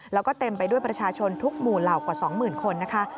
แล้วก็เต็มไปด้วยประชาชนทุกหมู่เหล่ากว่า๒๐๐๐คนนะคะ